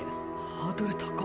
ハードル高。